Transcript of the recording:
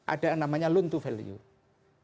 ada namanya loan to value